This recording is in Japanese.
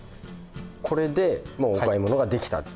これでもうお買い物ができたっていう。